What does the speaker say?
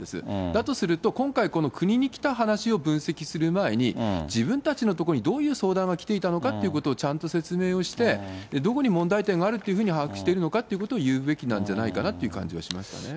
だとすると、今回、国に来た話を分析する前に、自分たちのところにどういう相談が来ていたのかっていうことをちゃんと説明をして、どこに問題点があるのかというふうに把握しているのかっていうことを言うべきなんじゃないかなって感じはしましたね。